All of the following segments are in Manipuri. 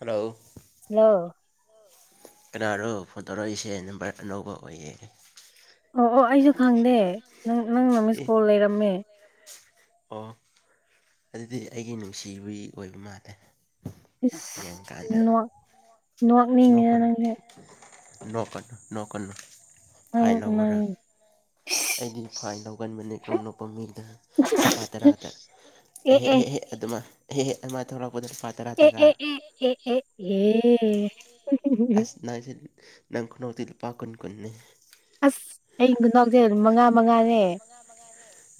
ꯍꯜꯂꯣ ꯍꯜꯂꯣ ꯀꯅꯥꯅꯣ ꯐꯣꯟ ꯇꯧꯔꯛꯏꯁꯦ ꯅꯝꯕꯔ ꯑꯅꯧꯕ ꯑꯣꯏꯌꯦ ꯑꯣ ꯑꯣ ꯑꯩꯁꯨ ꯈꯪꯗꯦ ꯅꯪ ꯅꯪꯅ ꯑꯦ ꯃꯤꯁꯀꯣꯜ ꯂꯩꯔꯝꯃꯦ ꯑꯣ ꯑꯗꯨꯗꯤ ꯑꯩꯒꯤ ꯅꯨꯡꯁꯤꯕꯒꯤ ꯑꯣꯏꯕ ꯃꯥꯜꯂꯦ ꯏꯁ ꯌꯦꯡꯀꯥꯟꯗ ꯅꯣꯛ ꯅꯣꯛꯅꯤꯡꯉꯤꯅ ꯅꯣꯛꯀꯅꯨ ꯅꯪꯗꯤ ꯅꯣꯛꯀꯅꯨ ꯅꯣꯛꯀꯅꯨ ꯅꯪ ꯐꯥꯏ ꯅꯪ ꯂꯥꯎꯑꯨꯔ ꯑꯩꯗꯤ ꯐꯥꯏꯟ ꯂꯧꯒꯟꯕꯅꯦꯀꯣ ꯅꯣꯛꯄꯥ ꯃꯤꯗ ꯂꯨꯄꯥ ꯇꯔꯥꯗ ꯑꯦ ꯍꯦ ꯍꯦ ꯑꯦ ꯍꯦ ꯑꯗꯨꯃ ꯍꯦ ꯍꯦ ꯑꯃ ꯊꯣꯛꯂꯛꯄꯗ ꯇꯔꯥ ꯇꯔꯥ ꯑꯦ ꯑꯦ ꯑꯦ ꯑꯦ ꯑꯦ ꯑꯦ ꯁꯅꯥꯏꯁꯦ ꯅꯪ ꯈꯨꯅꯣꯛꯇꯨꯗꯤ ꯂꯨꯄꯥ ꯀꯨꯟ ꯀꯨꯟꯅꯤ ꯑꯁ ꯑꯩꯒꯤ ꯈꯨꯅꯣꯛꯖꯦ ꯑꯗꯨꯝ ꯃꯉꯥ ꯃꯉꯥꯅꯦ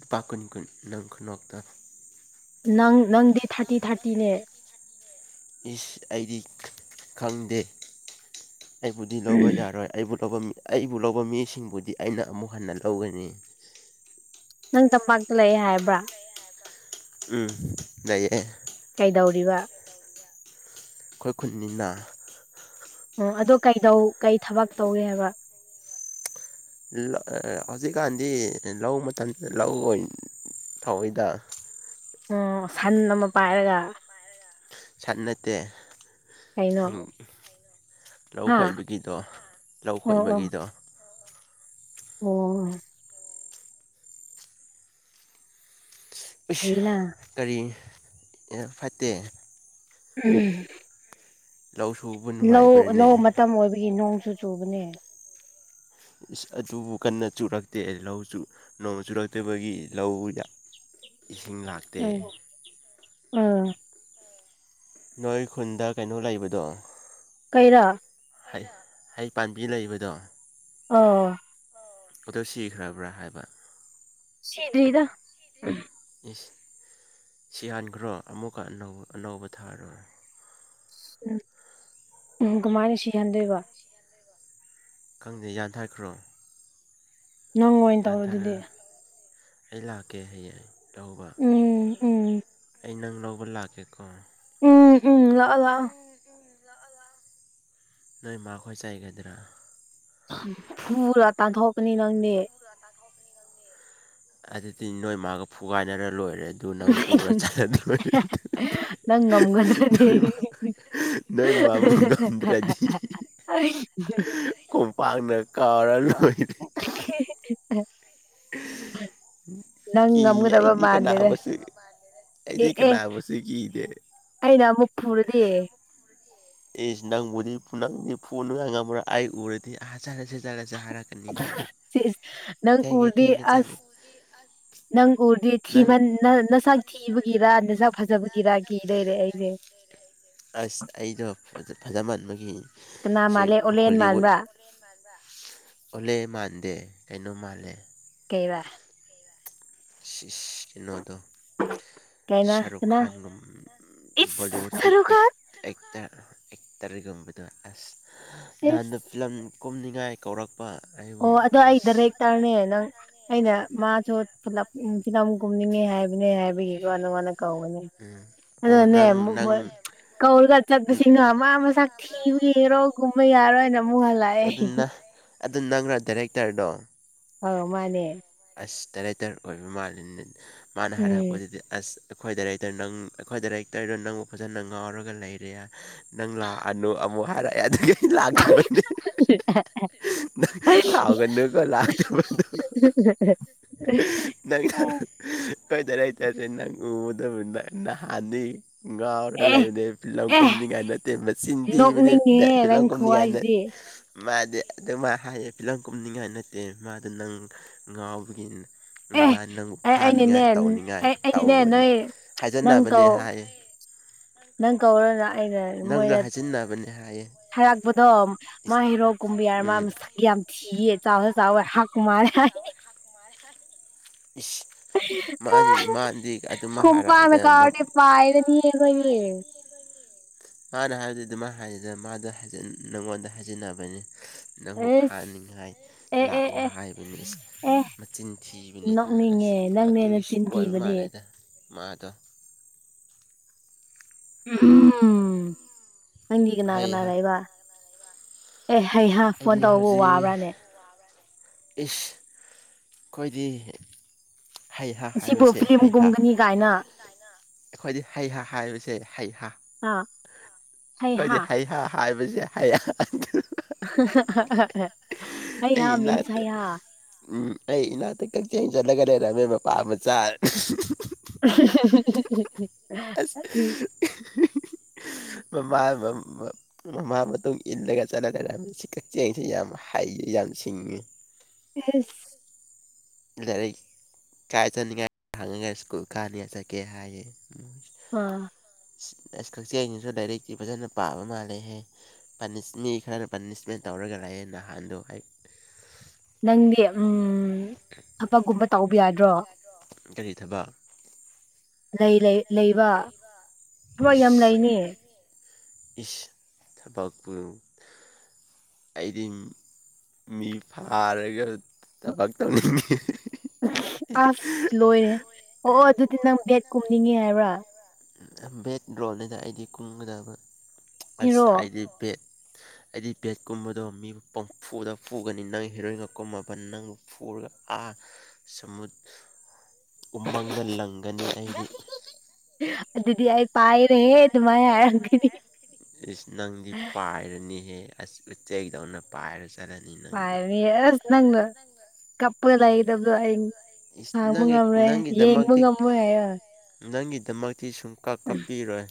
ꯂꯨꯄꯥ ꯀꯨꯟ ꯅꯪ ꯈꯨꯅꯣꯛꯇꯣ ꯅꯪ ꯅꯪꯗꯤ ꯊꯥꯔꯇꯤ ꯊꯥꯔꯇꯤꯅꯦ ꯏꯁ ꯑꯩꯗꯤ ꯈꯪꯗꯦ ꯑꯩꯕꯨꯗꯤ ꯂꯧꯕ ꯌꯥꯔꯣꯏ ꯑꯩꯕꯨ ꯂꯧꯕ ꯑꯩꯕꯨ ꯂꯧꯕ ꯃꯤꯁꯤꯡꯕꯨꯗꯤ ꯑꯩꯅ ꯑꯃꯨꯛ ꯍꯟꯅ ꯂꯧꯒꯅꯤ ꯅꯪ ꯇꯝꯄꯥꯛꯇ ꯂꯩꯑꯦ ꯍꯥꯏꯕ꯭ꯔꯥ ꯎꯝ ꯂꯩꯌꯦ ꯀꯩꯗꯧꯔꯤꯕ ꯑꯩꯈꯣꯏ ꯈꯨꯟꯅꯤꯅ ꯑꯣ ꯑꯗꯣ ꯀꯩꯗꯧ ꯀꯩ ꯊꯕꯛ ꯇꯧꯏ ꯍꯥꯏꯕ ꯍꯧꯖꯤꯛꯀꯥꯟꯗꯤ ꯂꯧ ꯃꯇꯝꯁꯤꯗ ꯂꯧ ꯑꯣꯏꯅ ꯊꯥꯎꯏꯗ ꯑꯣ ꯁꯟ ꯑꯃ ꯄꯥꯏꯔꯒ ꯁꯟ ꯅꯠꯇꯦ ꯀꯩꯅꯣ ꯂꯧ ꯍꯥ ꯈꯣꯏꯕꯒꯤꯗꯣ ꯂꯧ ꯑꯣ ꯑꯣ ꯈꯣꯏꯕꯒꯤꯗꯣ ꯑꯣ ꯏꯁ ꯐꯩꯅ ꯀꯔꯤ ꯐꯠꯇꯦ ꯎꯝ ꯂꯎ ꯁꯧꯕ ꯂꯧ ꯂꯧ ꯃꯇꯝ ꯑꯣꯏꯕꯒꯤ ꯅꯣꯡꯁꯨꯨ ꯆꯨꯕꯅꯦ ꯏꯁ ꯑꯗꯨꯕꯨ ꯀꯟꯅ ꯆꯨꯔꯛꯇꯦ ꯂꯧꯁꯨꯨ ꯅꯣꯡ ꯆꯨꯔꯛꯇꯕꯒꯤ ꯂꯧꯗ ꯏꯁꯤꯡ ꯂꯥꯛꯇꯦ ꯑꯥ ꯅꯣꯏ ꯈꯨꯟꯗ ꯀꯩꯅꯣ ꯂꯩꯕꯗꯣ ꯀꯩꯔꯥ ꯍꯩ ꯍꯩ ꯄꯥꯝꯕꯤ ꯂꯩꯕꯗꯣ ꯑꯣ ꯑꯗꯣ ꯁꯤꯈ꯭ꯔꯕ꯭ꯔꯥ ꯍꯥꯏꯕ ꯁꯤꯗꯔꯤꯗ ꯎ ꯏꯁ ꯁꯤꯍꯟꯈ꯭ꯔꯣ ꯑꯃꯨꯛꯀ ꯑꯅꯧ ꯑꯅꯧꯕ ꯊꯥꯔꯣ ꯎꯝ ꯎꯝ ꯗꯨꯃꯥꯏꯅ ꯁꯤꯍꯟꯗꯣꯏꯕ ꯈꯪꯗꯦ ꯌꯥꯟꯊꯠꯈ꯭ꯔꯣ ꯅꯪ ꯑꯣꯏꯅ ꯇꯧꯔꯣ ꯌꯥꯟꯊꯥꯔ ꯑꯗꯨꯗꯤ ꯑꯩ ꯂꯥꯛꯀꯦ ꯍꯌꯦꯡ ꯂꯧꯕ ꯎꯝ ꯎꯝ ꯑꯩ ꯅꯪ ꯂꯧꯕ ꯂꯥꯛꯀꯦꯀꯣ ꯎꯝ ꯎꯝ ꯂꯥꯛ ꯂꯥꯛꯑꯣ ꯅꯣꯏ ꯃꯥꯈꯣꯏ ꯆꯩꯥꯏꯒꯗ꯭ꯔꯥ ꯐꯔ ꯇꯥꯟꯊꯣꯛꯀꯅꯤ ꯅꯪꯗꯤ ꯑꯗꯨꯗꯤ ꯅꯣꯏ ꯃꯥꯒ ꯐꯨꯒꯥꯏꯅꯔ ꯂꯣꯏꯔꯦ ꯑꯗꯨ ꯅꯪ ꯄꯨꯔ ꯆꯠꯂꯨꯗꯕꯅꯤ ꯅꯪ ꯉꯝꯒꯗ꯭ꯔꯅꯦ ꯅꯣꯏ ꯃꯥꯕꯨ [unintelligible] ꯉꯝꯗ꯭ꯔꯗꯤ ꯈꯣꯡꯄꯥꯛꯅ ꯀꯥꯎꯔ ꯂꯣꯏꯔꯦ [unintelligible] ꯅꯪ ꯀꯤꯌꯦ ꯉꯝꯒꯗꯕ ꯑꯩꯗꯤ ꯃꯥꯟꯗꯦꯗ ꯀꯟꯅꯥꯕꯁꯦ ꯑꯦ ꯑꯩꯗꯤ ꯑꯦ ꯀꯅꯥꯕꯨꯁꯨ ꯀꯤꯗꯦ ꯑꯩꯅ ꯑꯃꯨꯛ ꯐꯩꯔꯗꯤ ꯑꯦꯁ ꯅꯪꯕꯨꯗꯤ ꯄꯨꯅꯪꯗꯤ ꯐꯣꯟ ꯑꯣꯏꯉ ꯑꯃ ꯑꯥꯏ ꯎꯔꯗꯤ ꯑꯍ ꯆꯠꯂꯁꯦ ꯆꯠꯂꯁꯦ ꯍꯢꯔꯅꯤ ꯁꯤꯁ ꯅꯪ ꯎꯔꯗꯤ ꯊꯦꯡꯉꯦ ꯆꯠꯂꯦ ꯑꯁ ꯅꯪꯒꯨꯔꯗꯤ ꯊꯤ ꯅꯪ ꯅꯁꯥꯛ ꯊꯤꯕꯒꯤꯔꯥ ꯅꯁꯥꯛ ꯐꯖꯕꯒꯤꯔꯥ ꯀꯤ ꯂꯩꯔꯦ ꯑꯩꯁꯦ ꯑꯁ ꯑꯩꯗꯣ ꯐꯖ ꯃꯥꯟꯕꯒꯤ ꯀꯅꯥ ꯁꯤ ꯃꯥꯜꯂꯦ ꯑꯣꯂꯦꯟ ꯍꯣꯂꯤꯋꯨꯠ ꯃꯥꯟꯕ꯭ꯔꯥ ꯑꯣꯜꯂꯦ ꯃꯥꯟꯗꯦ ꯀꯩꯅꯣ ꯃꯥꯜꯂꯦ ꯀꯩ ꯋꯥ ꯀꯩꯅꯣꯗꯣ ꯀꯩꯅ ꯁꯔꯨꯛ ꯀꯅꯥ ꯈꯥꯟ ꯒꯨꯝ ꯏꯁ ꯕꯣꯂꯤꯋꯨꯗꯀꯤ ꯑꯦꯛ ꯁꯔꯨꯈꯥꯟ ꯑꯦꯛꯇꯔ ꯑꯦꯛꯇꯔꯒꯨꯝꯕꯗꯣ ꯑꯁ ꯅꯍꯥꯟꯅ ꯏꯁ ꯐꯤꯂꯝ ꯀꯨꯝꯅꯤꯡꯉꯥꯏ ꯀꯧꯔꯛꯄ ꯑꯣ ꯑꯩꯕꯨ ꯑꯗꯣ ꯑꯩ ꯑꯁ ꯗꯔꯦꯛ ꯇꯔꯅꯦ ꯅꯪ ꯑꯩꯅ ꯃꯥꯁꯨ ꯐꯂꯞ ꯐꯤꯂꯝ ꯀꯨꯝꯅꯤꯡꯉꯦ ꯍꯥꯏꯕꯅꯦ ꯍꯥꯏꯕꯒꯤꯀꯣ ꯅꯉꯣꯟꯗ ꯀꯧꯒꯅꯤ ꯎꯝ ꯑꯣ ꯑꯗꯨꯅꯦ ꯅꯪ ꯃꯨꯛ ꯅꯪ ꯃꯣꯢ ꯀꯧꯔꯒ ꯆꯠꯄꯁꯤꯡꯅꯣ ꯑꯃ ꯃꯁꯛ ꯊꯤꯕ ꯒꯥ ꯍꯦꯔꯣꯒꯨꯝꯕ ꯌꯥꯔꯣꯏ ꯍꯥꯏꯅ ꯑꯗꯨꯅ ꯑꯗꯨ ꯅꯪꯔ ꯗꯥꯏꯔꯦꯛꯇꯔꯗꯣ ꯑ ꯃꯥꯅꯦ ꯑꯁ ꯗꯥꯏꯔꯦꯛꯇꯔ ꯑꯣꯏꯕ ꯃꯥꯜꯂꯤꯅꯤ ꯃꯥꯅ ꯎꯝ ꯍꯥꯏꯔꯛꯄꯗꯨꯗꯤ ꯑꯁ ꯑꯩꯈꯣꯏ ꯗꯥꯏꯔꯦꯛꯇꯔ ꯅꯪ ꯑꯩꯈꯣꯏ ꯗꯥꯏꯔꯦꯛꯇꯔꯗꯨ ꯅꯪꯕꯨ ꯐꯖꯅ ꯉꯥꯎꯔꯒ ꯂꯩꯔꯦ ꯅꯪ ꯂꯥꯛꯑꯅꯨ ꯑꯃꯨꯛ ꯍꯥꯏꯔꯛꯑꯦ ꯑꯗꯨꯒꯤ ꯂꯥꯛꯇ꯭ꯔꯕꯅꯤ ꯅꯪ ꯁꯥꯎꯒꯅꯨ ꯀꯣ ꯂꯥꯛꯇꯕꯗꯨ ꯅꯪ ꯌꯥ ꯍꯣꯏ ꯗꯥꯢꯔꯦꯛꯇꯔ ꯅꯪ ꯎꯗꯕꯅꯤ ꯅꯍꯥꯟꯗꯤ ꯉꯥꯎꯔꯒ ꯑꯦ ꯂꯩꯕꯅꯦ ꯐꯤꯂꯝ ꯑꯦ ꯀꯨꯝꯅꯤꯡꯉꯥꯏ ꯅꯠꯇꯦ ꯃꯆꯤꯟ ꯊꯤꯕꯅꯦ ꯅꯣꯛꯅꯤꯡꯉꯦꯍꯦ ꯐꯤꯂꯝ ꯅꯪ ꯀꯨꯝꯅꯤꯡꯉꯥꯏꯗ [unintelligible] [inaudible] ꯃꯥꯗꯤ ꯑꯗꯨ ꯃꯥꯢ ꯍꯥꯏꯌꯦ ꯐꯤꯂꯝ ꯀꯨꯝꯅꯤꯡꯉꯥꯏ ꯅꯠꯇꯦ ꯃꯥꯗꯣ ꯅꯪ ꯉꯥꯎꯕꯒꯤ ꯑꯦ ꯚꯥꯏ ꯅꯪꯕꯨ ꯑꯩ ꯑꯩꯅꯅꯦ ꯐꯥꯅꯤꯡꯉꯥꯏ ꯇꯧꯅꯤꯡꯉꯥꯏ ꯑꯩ ꯑꯩꯅꯅꯦ ꯇꯧꯅꯤ ꯅꯣꯏ ꯅꯪ ꯍꯥꯏꯖꯅꯕꯅꯤ ꯀꯧ ꯍꯥꯏꯌꯦ ꯅꯪ ꯀꯧꯔ ꯂꯥꯛꯑꯦꯅꯦ ꯃꯣꯏꯅ ꯖꯤꯟ ꯅꯕꯅꯦ ꯍꯌꯦ ꯍꯥꯏꯔꯥꯛꯄꯗꯣ ꯃꯥ ꯍꯩꯔꯣꯛ ꯀꯨꯝꯕꯤꯌꯥꯔ ꯃꯥ ꯎꯝ ꯌꯥꯝ ꯊꯤꯌꯦ ꯆꯥꯎꯁꯨ ꯆꯥꯎꯋꯦ ꯍꯥꯛ ꯃꯥꯂꯦ ꯍꯥꯏꯌꯦ [unintelligible] ꯃꯥꯗꯤ ꯃꯥꯗꯤ ꯑꯗꯨꯃꯥꯏ ꯈꯣꯡꯄꯛꯅ ꯍꯥꯏꯔꯛꯏꯗ ꯀꯥꯎꯔꯗꯤ ꯄꯥꯏꯔꯅꯤ ꯊꯤꯕꯒꯤ ꯃꯥꯅ ꯍꯥꯏꯕꯗꯨ ꯑꯗꯨꯃ ꯍꯥꯏꯗꯦꯗ ꯃꯥꯗ ꯅꯉꯣꯟꯗ ꯍꯥꯏꯖꯤꯟꯅꯕꯅꯤ ꯅꯪꯕꯨ ꯑꯁ ꯐꯅꯤꯡꯉꯥꯏ ꯑꯦ ꯑꯦ ꯂꯥꯛꯑꯣ ꯑꯦ ꯍꯥꯏꯕꯅꯤ ꯑꯦ ꯃꯆꯤꯟ ꯊꯤ ꯃꯤꯅꯤꯠ ꯊꯥ ꯅꯣꯛꯅꯤꯡꯉꯦ ꯑꯁ ꯅꯪꯅꯦ ꯑꯗꯨꯒꯤꯁꯨ ꯅꯆꯤꯟ ꯑꯣꯏꯕ ꯊꯤꯕꯗꯤ ꯃꯥꯜꯂꯦꯗ ꯃꯥꯗꯣ ꯎꯝ ꯅꯪꯗꯤ ꯀꯅꯥ ꯍꯩ ꯀꯅꯥ ꯍꯥ ꯂꯩꯕ ꯑꯦ ꯍꯩꯍꯥ ꯐꯣꯟ ꯑꯩꯗꯤ ꯇꯧꯕꯧ ꯍꯧꯖꯤꯛ ꯋꯥꯕ꯭ꯔꯥꯅꯦ ꯏꯁ ꯑꯩꯈꯣꯏꯗꯤ ꯍꯩꯍꯥ ꯁꯤꯕꯨ ꯍꯥꯏꯕꯁꯦ ꯐꯤꯂꯝ ꯍꯩꯍꯥ ꯀꯨꯝꯒꯅꯤ ꯀꯥꯏꯅ ꯑꯩꯈꯣꯏꯗꯤ ꯍꯩꯍꯥ ꯍꯥꯏꯕꯁꯦ ꯍꯩꯍ ꯑꯥ ꯑꯩꯏꯗꯤ ꯍꯩꯍꯥ ꯍꯩꯍ ꯍꯥꯏꯕꯁꯦ ꯍꯩꯍꯥ [unintelligible] ꯑꯩꯌꯥ ꯑꯩꯅꯠꯇꯦ ꯃꯤꯟꯁꯌꯥ ꯎꯝ ꯑꯩ ꯏꯅꯥꯛꯇꯛ ꯀꯛꯆꯤꯡ ꯆꯠꯂꯒ ꯂꯩꯔꯝꯃꯦ ꯃꯄꯥ ꯑꯃ ꯆꯥꯔꯦ ꯑꯁ [unintelligible] ꯃꯃꯥ ꯃꯃꯥ ꯃꯇꯨꯡ ꯏꯜꯂꯒ ꯆꯠꯂꯒꯂꯩꯔꯝꯃꯤ ꯁꯤ ꯀꯛꯆꯦꯡꯁꯤ ꯌꯥꯝꯃ ꯍꯩ ꯌꯥꯝ ꯁꯤꯡꯉꯤ ꯑꯦꯁ ꯂꯥꯏꯔꯤꯛ ꯀꯥꯏ ꯆꯠꯅꯤꯡꯉꯥꯏ ꯍꯪꯉꯒ ꯁ꯭ꯀꯨꯜ ꯀꯥꯅꯤꯡꯉꯥꯏ ꯆꯠꯀꯦ ꯍꯥꯏꯌꯦ ꯑꯥ [unintelligible] [inaudible] ꯀꯛꯆꯦ ꯑꯩꯅꯁꯨ ꯗꯥꯏꯔꯦꯛꯀꯤꯤ ꯐꯖꯅ ꯄꯥꯕ ꯃꯥꯜꯂꯦꯍꯦ ꯄꯥꯅꯤꯁꯃꯤ ꯈꯔꯅ ꯄꯥꯅꯤꯁꯃꯦꯟ ꯇꯧꯔꯒ ꯂꯥꯛꯑꯌꯦꯦ ꯅꯍꯥꯟꯗꯣ ꯍ [inaudible] [unintelligible] ꯅꯪꯗꯤ ꯎ ꯑꯕꯛꯀꯨꯝꯕ ꯇꯥꯎꯕ ꯌꯥꯗ꯭ꯔꯣ ꯀꯔꯤ ꯊꯕ ꯂꯩ ꯂꯩ ꯂꯩꯕ ꯊꯕꯛ ꯌꯥꯝ ꯏꯁ ꯂꯩꯅꯤ ꯏꯁ ꯍꯥꯏꯕꯥꯛꯄ ꯑꯩꯗꯤ ꯃꯤ ꯐꯥꯔꯒ ꯊꯕꯛ ꯇꯧꯅꯤꯡꯉꯤ ꯑꯁ ꯂꯣꯏꯔꯦ ꯑꯣ ꯑꯣ ꯑꯗꯨꯗꯤ ꯅꯪ ꯒꯦꯠ ꯀꯨꯝꯅꯤꯡꯉꯦ ꯍꯥꯏꯕ꯭ꯔꯥ ꯕꯦꯠ ꯗ꯭ꯔꯣꯅꯤꯗ ꯑꯩꯗꯤ ꯀꯨꯡꯒꯗꯕ ꯍꯦꯔꯣ ꯑꯁ ꯑꯩꯗꯤ ꯕꯦꯠ ꯑꯩꯗꯤ ꯕꯦꯠꯀꯨꯝꯕꯗꯣ ꯃꯤꯕꯨ ꯄꯐꯨꯗ ꯄꯨꯒꯅꯤ ꯅꯪ ꯍꯦꯔꯣꯏꯟꯒ ꯀꯨꯝꯃꯕ ꯅꯪꯕꯨ ꯐꯨꯔꯒ ꯑꯥ ꯁꯨ ꯎꯃꯪꯗ ꯂꯪꯒꯅꯤ ꯑꯩꯗꯤ ꯑꯗꯨꯗꯤ ꯑꯩ ꯄꯥꯏꯔꯦ ꯑꯗꯨꯃꯥꯏꯅ ꯍꯥꯏꯔꯗꯤ ꯏꯁ ꯅꯪꯗꯤ ꯄꯥꯏꯔꯅꯤꯍꯦ ꯑꯁ ꯎꯆꯦꯛꯗꯧꯅ ꯄꯥꯏꯔ ꯆꯠꯂꯅꯤ ꯅꯪꯗꯤ ꯁ ꯅ ꯀꯄꯗꯗꯕ ꯏꯁ ꯍꯥꯡꯕ ꯅꯪꯒꯤ ꯉꯝ꯭ꯔꯦ ꯌꯦꯡꯕꯥ ꯅꯪꯒꯤꯗꯃꯛꯇꯤ ꯉꯝꯔꯣꯏ ꯍꯥꯏꯌꯣ ꯅꯪꯒꯤꯗꯃꯛꯇꯤ ꯁꯨꯡꯀꯞ ꯀꯞꯄꯤꯔꯣꯏ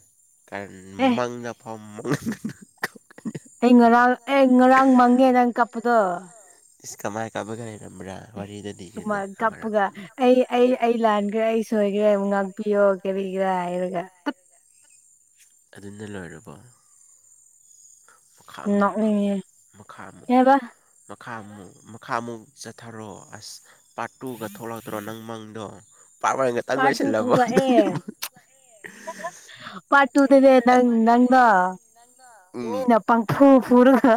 ꯑꯦ ꯃꯪꯗ ꯐꯥꯎ ꯃꯪꯍ ꯑꯩ ꯉꯔꯥꯡ ꯑꯦ ꯉꯔꯥꯡ ꯃꯥꯡꯉꯦ ꯅꯪ ꯀꯥꯞꯄꯗꯣ ꯏꯁ ꯀꯃꯥꯏ ꯀꯥꯕꯒ ꯂꯩꯔꯝꯕ꯭ꯔꯥ ꯋꯥꯔꯤꯗꯣ ꯊꯃ ꯂꯤꯒꯦꯅꯦ ꯑꯃꯔꯛ ꯀꯄꯒ [inaudible] ꯑꯩ ꯑꯩ ꯑꯩ ꯂꯥꯟꯒꯔꯦ ꯑꯩ ꯁꯣꯏꯒꯔꯦ ꯑꯃꯨꯛ ꯉꯥꯛꯄꯤꯌꯣ ꯀꯔꯤꯒꯔꯥ ꯍꯥꯏꯔꯒ ꯇꯨꯠ ꯑꯗꯨꯅ ꯂꯣꯏꯔꯕꯣ ꯃꯈꯥ ꯑꯃꯨꯛ ꯅꯅꯤ ꯃꯈꯥ ꯑꯃꯨꯛ ꯍꯦꯕ ꯃꯈꯥ ꯑꯃꯨꯛ ꯃꯈꯥ ꯑꯃꯨꯛ ꯆꯠꯊꯔꯣ ꯑꯁ ꯄꯥꯔꯠ ꯇꯨꯒ ꯊꯣꯛꯂꯥꯎꯗ꯭ꯔꯣ ꯅꯪ ꯃꯪꯗꯣ ꯄꯥꯔꯠ ꯋꯥꯟꯒ ꯇꯪ ꯂꯣꯏꯁꯤꯜꯂꯕꯪ ꯄꯥꯠ ꯇꯨꯗꯥꯅꯦ ꯅꯪ ꯅꯪꯅ ꯎꯝ ꯃꯤꯅ ꯄꯥꯡꯊꯣꯛ ꯄꯨꯔꯒ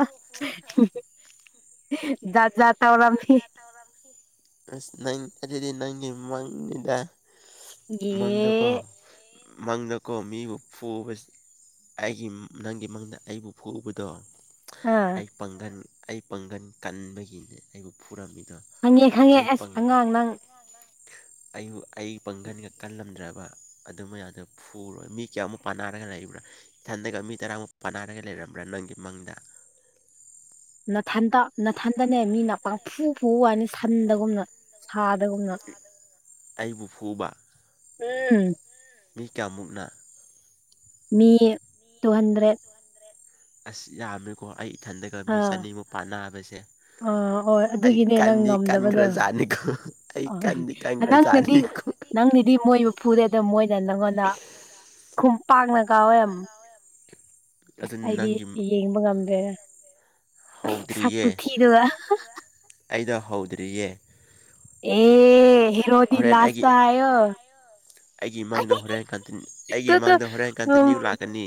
ꯌꯥ ꯇꯕꯔ ꯑ ꯊꯥꯔꯇꯗꯤ ꯅꯥꯏꯟꯒꯤ ꯃꯃꯥꯡꯅꯤꯗ ꯃꯥꯡꯗꯀꯣ ꯑꯦ ꯃꯪꯗꯀꯣ ꯃꯤꯕꯨ ꯐꯨꯕ ꯑꯩꯒꯤ ꯅꯪꯒꯤ ꯃꯪꯗ ꯑꯩꯕꯨ ꯐꯨꯎꯕꯗꯣ ꯑꯥ [unintelligible] [inaudible] ꯄꯥꯡꯒꯜ ꯑꯩ ꯄꯥꯡꯒꯟ ꯀꯟꯕꯒꯤꯅꯦ ꯑꯩꯕꯨ ꯐꯨꯔꯝꯃꯤꯗꯣ ꯈꯪꯉꯦ ꯈꯪꯉꯦ ꯑꯩ ꯑꯁ ꯄꯪ ꯑꯉꯥꯡ ꯅꯪ ꯑꯩꯕꯨ ꯑꯩ ꯄꯥꯡꯒꯟꯒ ꯀꯜꯂꯝꯗ꯭ꯔꯕ ꯑꯗꯨꯝꯕ ꯌꯥꯗ ꯐꯨꯔꯣꯏ ꯃꯤ ꯀꯌꯥꯃꯨꯛ ꯄꯥꯟꯅꯔꯒ ꯂꯩꯕ꯭ꯔꯥ ꯏꯊꯟꯗꯒ ꯃꯤ ꯇꯔꯥꯃꯨꯛ ꯄꯅꯥꯔꯒ ꯂꯩꯔꯝꯕ꯭ꯔꯥ ꯅꯪꯒꯤ ꯃꯥꯡꯗ ꯅꯥꯊꯟꯗ ꯅꯥꯊꯟꯗꯅꯦ ꯃꯤꯅ ꯄꯐꯨ ꯐꯨ ꯍꯥꯏꯅꯤ ꯁꯟꯗꯒꯨꯝꯅ ꯁꯥꯗꯒꯨꯝꯅ ꯑꯩꯕꯨ ꯐꯨꯕ ꯎꯝ [inaudible] ꯃꯤ ꯀꯌꯥꯃꯨꯛꯅ ꯃꯤ ꯇꯨ ꯍꯟꯗ꯭ꯔꯦꯠ ꯑꯁ ꯌꯥꯝꯃꯦꯀꯣ ꯑꯩ ꯏꯊꯟꯗꯒ ꯃꯤ ꯑꯥ ꯆꯅꯤꯃꯨꯛ ꯄꯥꯟ ꯅꯥꯕꯁꯦ ꯑꯥ ꯍꯣꯏ ꯑꯩ ꯑꯗꯨꯒꯤꯅꯦ ꯅꯪ ꯀꯥꯟꯗꯤ ꯀꯥꯟꯈ꯭ꯔ ꯉꯝꯗꯕꯗꯣ ꯥꯅꯤꯀꯣ ꯑꯩ ꯀꯥꯟꯗꯤ ꯀꯥꯟꯈ꯭ꯔ ꯥꯅꯤꯀꯣ ꯅꯪꯅꯤꯗꯤ ꯃꯣꯏꯕꯨ ꯐꯨꯔꯦ ꯑꯗꯣ ꯃꯣꯏꯅ ꯅꯪꯉꯣꯟꯗ ꯈꯨꯝ ꯄꯥꯡꯅ ꯀꯥꯎꯋꯦ ꯑꯗꯨ ꯑꯁ ꯑꯩꯗꯤ ꯅꯪꯒꯤ ꯌꯦꯡꯕ ꯉꯝꯗ꯭ꯔꯦ ꯁꯛ ꯍꯧꯗ꯭ꯔꯤꯌꯦ ꯀꯨꯊꯤꯗꯨꯒ ꯑꯩꯗ ꯍꯧꯗ꯭ꯔꯤꯌꯦ ꯑꯦ ꯍꯦꯔꯣꯗꯤ ꯍꯣꯔꯦꯟ ꯑꯩꯒꯤ ꯂꯥꯥꯁꯇ ꯑꯣ [inaudible] ꯑꯩꯒꯤ ꯏ ꯃꯃꯥꯡꯗ ꯍꯣꯔꯦꯟ ꯑꯩꯒꯤ ꯇꯨ ꯇꯨ ꯏꯃꯥꯡꯗ ꯍꯣꯔꯦꯟ ꯎꯝ ꯀꯟꯇꯤꯅ꯭ꯌꯨ ꯂꯥꯛꯀꯅꯤ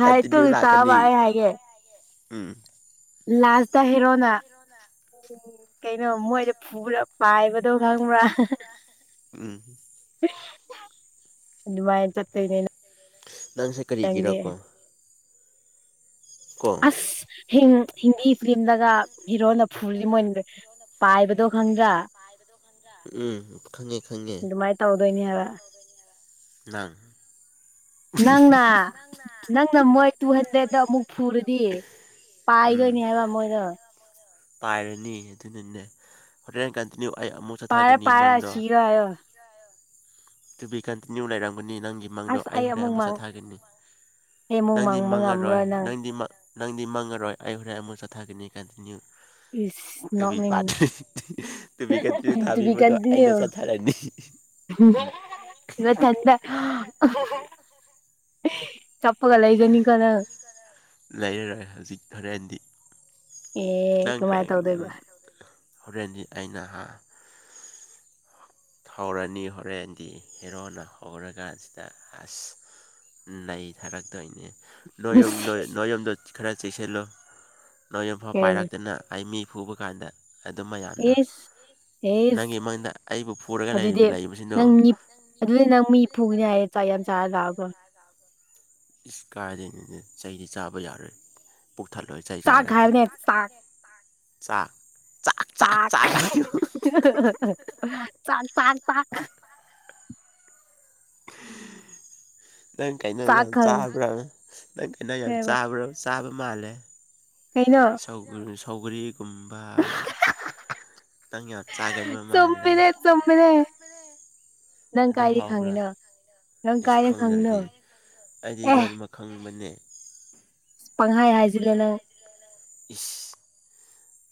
ꯍꯥꯏ ꯇꯨ ꯀꯇꯤꯅꯌꯨ ꯇꯥꯕ ꯂꯥꯛꯀꯅꯤ ꯑꯩ ꯎꯝ ꯂꯥꯁꯗ ꯍꯦꯔꯣꯅꯥ ꯎꯝ ꯀꯩꯅꯣ ꯃꯣꯏꯗꯣ ꯐꯨꯂꯞ ꯄꯥꯏꯕꯗꯣ ꯈꯪꯕ꯭ꯔꯥ ꯎꯝ ꯑꯗꯨꯃꯥꯏꯅ ꯆꯠꯇꯣꯏꯅꯦꯅ ꯅꯪꯁꯦ ꯀꯔꯤꯒꯤꯔꯀꯣ ꯀꯣ ꯍꯤꯡ ꯍꯤꯟꯗꯤ ꯐꯤꯂꯝꯗꯒ ꯍꯤꯔꯣꯅ ꯐꯨꯔꯖꯤ ꯃꯣꯏꯅ ꯄꯥꯏꯕꯗꯣ ꯈꯪꯗ꯭ꯔꯥ ꯎꯝ ꯈꯪꯉꯦ ꯈꯪꯉꯦ ꯑꯗꯨꯃꯥꯏ ꯇꯧꯗꯣꯏꯅꯤ ꯍꯥꯏꯕ ꯅꯪ ꯅꯪꯅ ꯅꯪꯅ ꯃꯣꯏ ꯇꯨ ꯍꯟꯗ꯭ꯔꯦꯇ ꯑꯃꯨꯛ ꯐꯨꯔꯗꯤ ꯎꯝ ꯄꯥꯏꯗꯣꯏꯅꯤ ꯍꯥꯏꯕ ꯃꯣꯏꯗꯣ ꯄꯥꯏꯔꯅꯤ ꯑꯗꯨꯅꯅꯦ ꯍꯣꯔꯦꯟ ꯀꯟꯇꯤꯅ꯭ꯌꯨ ꯑꯩ ꯑꯃꯨꯛ ꯆꯠꯊꯒꯅꯤ ꯃꯪꯗꯣ ꯇꯥꯏꯌꯣ ꯇꯨꯕꯤ ꯀꯟꯇꯤꯅꯤꯌꯨ ꯂꯩꯔꯥꯝꯒꯅꯤ ꯅꯪꯒꯤ ꯃꯪꯗꯣ ꯑꯩ ꯍꯣꯔꯦꯟ ꯑꯃꯨꯛ ꯆꯥꯊꯒꯅꯤ ꯑꯩ ꯑꯃꯨꯛ ꯅꯪꯗꯤ ꯃꯥꯡꯕ ꯃꯥꯡꯉꯔꯣꯏ ꯉꯝꯔꯣꯏ ꯅꯪ ꯅꯪꯗꯤ ꯅꯪꯗꯤ ꯃꯪꯉꯔꯣꯏ ꯑꯩ ꯍꯨꯔꯦꯟ ꯑꯃꯨꯛ ꯆꯊꯥꯒꯅꯤ ꯀꯥꯟꯇꯤꯅꯌꯨ ꯏꯁ ꯇꯨꯕꯤ ꯄꯥꯠ ꯅꯣꯛꯅꯤꯡꯉꯤ ꯊꯤ ꯇꯨꯕꯤ ꯀꯟꯇꯤꯅꯌꯨ ꯊꯥꯕꯤꯕꯗꯣ ꯑꯩꯅ ꯆꯠꯊꯔꯅꯤ ꯐꯪꯗꯦ ꯅꯊꯟꯗ ꯆꯞꯄꯒ ꯂꯩꯖꯅꯤꯀꯣ ꯅꯪ ꯂꯩꯔꯔꯣꯏ ꯍꯧꯖꯤꯛ ꯍꯣꯔꯦꯟꯗꯤ ꯑꯦ ꯅꯪ ꯀꯃꯥꯏ ꯀꯩ ꯎꯝ ꯇꯧꯗꯣꯏꯕ ꯍꯣꯔꯦꯟꯗꯤ ꯑꯩꯅ ꯍꯥ ꯍꯧꯔꯅꯤ ꯍꯣꯔꯦꯟꯗꯤ ꯍꯦꯔꯣꯅ ꯍꯧꯔꯀꯥꯟꯁꯤꯗ ꯑꯁ ꯅꯩꯊꯥꯔꯛꯇꯣꯏꯅꯦ ꯅꯣꯏꯌꯨꯝꯗꯣ ꯏꯁ ꯅꯣꯏꯌꯨꯝꯗꯣ ꯈꯔ ꯆꯦꯛꯁꯤꯜꯂꯨ ꯅꯣꯏ ꯌꯨꯝꯐꯥꯎ ꯄꯥꯏꯔꯛꯇꯅ ꯑꯩ ꯃꯤ ꯐꯨꯕ ꯀꯥꯟꯗ ꯑꯗꯨ ꯃꯌꯥꯝꯗꯣ ꯏꯁ ꯑꯦꯁ ꯅꯪꯒꯤ ꯃꯪꯗ ꯑꯩꯕꯨ ꯐꯨꯔꯒ ꯑꯗꯨꯗꯤ ꯂꯩꯔꯤꯕ ꯂꯩꯕꯁꯤꯅꯣ ꯅꯪ ꯃꯤ ꯑꯗꯨꯗꯤ ꯅꯪ ꯃꯤꯐꯨꯒꯤꯅꯤ ꯍꯥꯏꯌꯦ ꯆꯥꯛ ꯌꯥꯝ ꯆꯥꯔ ꯂꯥꯛꯑꯕꯣ ꯏꯁ ꯀꯥꯏꯗꯩꯅꯤꯅꯦ ꯆꯩꯗꯤ ꯆꯥꯕ ꯌꯥꯔꯣꯏ ꯄꯨꯊꯜꯂꯣꯏ ꯆꯩ ꯆꯥꯛ ꯆꯥꯔꯗꯤ ꯍꯥꯏꯕꯅꯦ ꯆꯥꯛ ꯍꯥꯏꯕꯅꯦ ꯆꯥꯛ ꯆꯥꯛ ꯆꯥꯛ ꯆꯥꯛ ꯍꯥꯏꯌꯣ ꯆꯥꯛ ꯇꯥꯛ ꯇꯥꯛ ꯅꯪ ꯀꯩꯅꯣ ꯆꯥꯛ ꯌꯥꯝ ꯈꯪꯈ꯭ꯔꯦꯕ ꯆꯥꯕ꯭ꯔꯥ ꯅꯪ ꯀꯩꯅꯣ ꯌꯥꯝ ꯆꯥꯕ꯭ꯔꯣ ꯆꯥꯕ ꯃꯥꯜꯂꯦ ꯀꯩꯅꯣ ꯇꯧꯒꯅꯨ ꯁꯧꯒꯔꯤꯒꯨꯝꯕ ꯅꯪ ꯌꯥꯝ ꯆꯥꯒꯟꯕ ꯃꯥꯜꯂꯦ ꯆꯨꯝꯃꯦꯅꯦ ꯅꯪ ꯑꯗꯣ ꯀꯥꯏꯗꯤ ꯍꯥꯎꯕ꯭ꯔꯥ ꯈꯪꯉꯤꯅꯣ ꯅꯪ ꯏꯁ ꯀꯥꯏꯅ ꯈꯪꯅꯣ ꯈꯪꯗ꯭ꯔꯗꯤ ꯑꯩꯗꯤ ꯑꯦ ꯂꯣꯏꯅꯃꯛ ꯈꯪꯕꯅꯦ ꯄꯪꯍꯥꯏ ꯍꯥꯏꯖꯤꯜꯂꯦ ꯅꯪ ꯏꯁ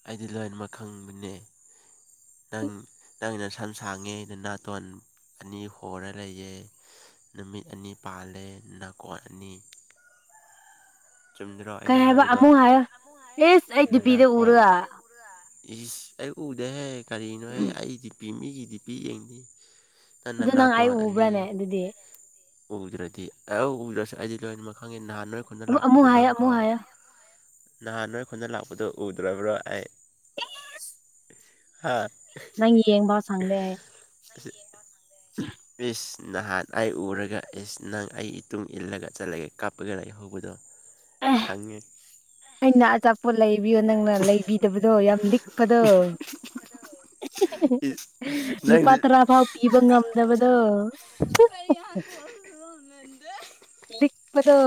ꯑꯩꯗꯤ ꯂꯣꯏꯅꯃꯛ ꯈꯪꯕꯅꯦ ꯅꯪ ꯅꯪꯒꯤ ꯅꯁꯝ ꯁꯥꯡꯉꯦ ꯅꯅꯥꯇꯣꯟ ꯑꯅꯤ ꯍꯣꯔ ꯂꯩꯑꯦ ꯅꯨꯃꯤꯠ ꯑꯅꯤ ꯄꯥꯜꯂꯦ ꯅꯥꯀꯣꯟ ꯑꯅꯤ ꯆꯨꯝꯗ꯭ꯔꯣ ꯀꯩ ꯑꯩꯅ ꯍꯥꯏꯕ ꯍꯥꯏꯕꯗꯣ ꯑꯃꯨꯛ ꯍꯥꯏꯌꯣ ꯏꯁ ꯑꯩ ꯗꯨꯄꯤꯗ ꯅꯅꯥꯀꯣꯟ ꯎꯔꯒ ꯏꯁ ꯑꯩ ꯎꯗꯦꯍꯦ ꯀꯔꯤꯅꯣꯍꯦ ꯑꯩ ꯗꯤꯄꯤ ꯃꯤꯒꯤ ꯗꯤꯄꯤ ꯌꯦꯡꯅꯤ ꯅꯪ ꯅꯅꯥꯇꯣꯟ ꯑꯅꯤ ꯗꯨꯗꯤ ꯎꯗ꯭ꯔꯗꯤ ꯑꯦ ꯑꯧ ꯎꯗꯔꯁꯨ ꯑꯩꯗꯤ ꯂꯣꯏꯅꯃꯛ ꯈꯪꯉꯦ ꯅꯍꯥꯟ ꯅꯣꯏ ꯈꯨꯟꯗ ꯑꯃꯨꯛ ꯑꯃꯨꯛ ꯂꯥꯛꯄꯗꯣ ꯍꯥꯏꯌꯣ ꯅꯪ ꯑꯃꯨꯛ ꯀꯥꯎ ꯍꯥꯏꯌꯣ ꯅꯍꯥꯟ ꯅꯣꯏ ꯈꯨꯟꯗ ꯂꯥꯛꯄꯗꯣ ꯎꯗ꯭ꯔꯕ꯭ꯔꯣ ꯑꯩ ꯍꯥ ꯅꯪ ꯌꯦꯡꯕꯥ ꯁꯪꯗꯦ ꯑꯁꯤ [unintelligible] ꯏꯁ ꯅꯍꯥꯟ ꯑꯩ ꯎꯔꯒ ꯏꯁ ꯅꯪ ꯑꯩ ꯏꯇꯨꯡ ꯏꯜꯂꯒ ꯆꯠꯂꯒꯦ ꯀꯥꯞꯄꯒ ꯂꯩ ꯍꯧꯕꯗꯣ [inaudible] ꯈꯪꯉꯤ ꯑꯩꯅ ꯑꯆꯥꯄꯣꯠ ꯂꯩꯕꯤꯌꯣ ꯅꯪꯅ ꯂꯩꯕꯤꯗꯕꯗꯣ ꯌꯥꯝ ꯂꯤꯛꯄꯗꯣ ꯏꯁ ꯂꯨꯄꯥꯇꯔꯚꯕ ꯄꯤꯕ ꯉꯝꯗꯕꯗꯣ ꯛꯄꯗꯣ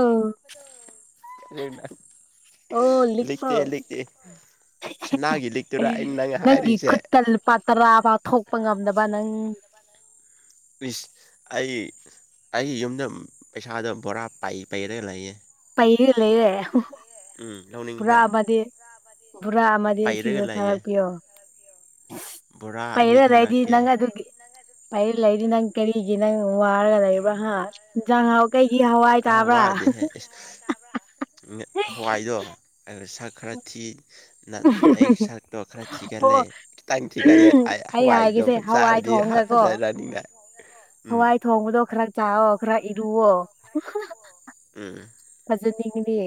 ꯀ ꯑꯣ ꯂꯤꯛꯄ ꯂꯈꯇ ꯂꯇ ꯁꯅꯥꯒꯤ ꯂꯤꯛꯇꯔꯥ ꯑꯩꯅ ꯅꯪ ꯍꯥꯏꯔꯤꯁꯦ ꯄꯥ ꯇꯔꯥꯐꯥꯎ ꯊꯣꯛꯄ ꯉꯝꯗꯕ ꯅꯪ ꯄꯁ ꯑꯩ ꯑꯩꯒꯤ ꯌꯨꯝꯗ ꯄꯩꯁꯥꯗ ꯕꯣꯔꯥ ꯄꯩꯔꯒ ꯂꯩꯌꯦ ꯄꯩꯔ ꯂꯩꯔꯦ ꯎꯝ ꯂꯧꯅꯤ ꯄꯨꯔꯥ ꯑꯃꯗꯤ ꯄꯨꯔꯥ ꯑꯃꯗꯤ ꯄꯩꯔꯒ ꯁꯤꯗ ꯂꯩꯌꯦ ꯊꯥꯔꯛꯄꯤꯣ [inaudible] ꯕꯣꯔꯥ ꯑꯅꯤ ꯄꯩꯔꯗ ꯍꯥꯏꯗ ꯊꯥꯔꯛꯀꯦ ꯅꯪ ꯑꯗꯨ ꯄꯥꯏꯔ ꯂꯩꯗꯤ ꯅꯪ ꯀꯔꯤꯒꯤ ꯅꯪ ꯋꯥꯔꯒ ꯂꯩꯕ꯭ꯔꯥ ꯍꯥ ꯏꯟꯖꯥꯡ ꯑꯍꯥꯎ ꯀꯩꯒꯤ ꯍꯋꯥꯏ ꯑꯥ ꯆꯥꯕ꯭ꯔꯥ ꯋꯥꯗꯦꯍꯦ ꯣꯡ ꯁꯀ꯭ꯔꯥꯇꯤ ꯅ ꯑꯩ ꯁꯛꯇꯣ ꯈꯔ ꯑꯣ ꯊꯤꯒꯠꯂꯦ ꯈꯤꯇꯪ ꯊꯤꯒꯠꯂꯦ ꯑꯩ ꯍꯋꯥꯏꯗꯣ ꯍꯥꯏꯒꯦꯁꯦ ꯍꯋꯥꯏ ꯆꯥꯔꯗꯤ ꯊꯣꯡꯉꯒꯀꯣ ꯐꯖꯥꯏ ꯔꯥꯅꯤꯉꯥꯏ ꯎꯝ ꯍꯋꯥꯏ ꯊꯣꯡꯕꯗꯣ ꯈꯔ ꯆꯥꯑꯣ ꯈꯔ ꯏꯔꯨꯑꯣꯣ ꯎꯝ ꯐꯖꯅꯤꯡꯉꯥꯗꯤ